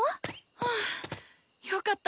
ああよかった。